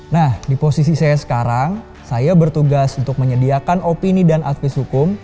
nah di posisi saya sekarang saya bertugas untuk menyediakan opini dan advis hukum